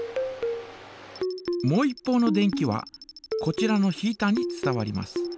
もう一方の電気はこちらのヒータに伝わります。